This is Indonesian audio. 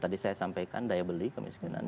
tadi saya sampaikan daya beli kemiskinan